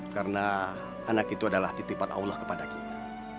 karena anak itu adalah titipan allah kepada kita